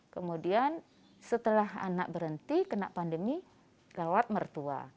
kemudian setelah anak berhenti kena pandemi lewat mertua